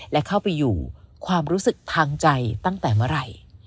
และเข้าไปอยู่ความรู้สึกทางใจตั้งแต่เมื่อไหร่